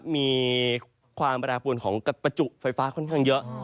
มีความแปรปวนของกระจุไฟฟ้าค่อนข้างเยอะ